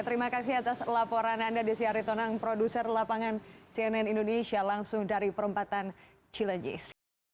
terima kasih atas laporan anda desi aritonang produser lapangan cnn indonesia langsung dari perempatan cilejis